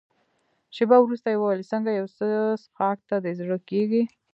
شېبه وروسته يې وویل: څنګه یو څه څیښاک ته دې زړه کېږي؟